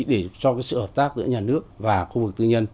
để cho sự hợp tác giữa nhà nước và khu vực tư nhân